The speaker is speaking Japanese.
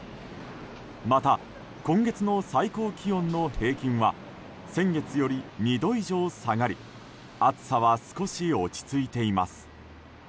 また、今月の最高気温の平均は先月より２度以上下がり暑さは少し落ち着いています。